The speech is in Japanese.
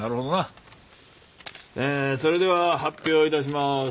それでは発表致します。